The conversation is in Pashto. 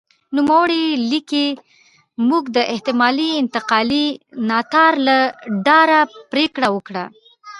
نوموړی لیکي موږ د احتمالي انتقالي ناتار له ډاره پرېکړه وکړه.